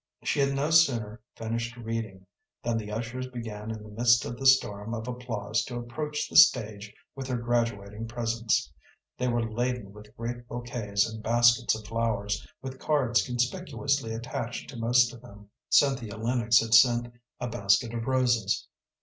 She had no sooner finished reading than the ushers began in the midst of the storm of applause to approach the stage with her graduating presents. They were laden with great bouquets and baskets of flowers, with cards conspicuously attached to most of them. Cynthia Lennox had sent a basket of roses.